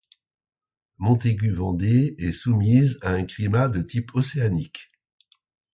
Montaigu-Vendée est soumise à un climat de type océanique.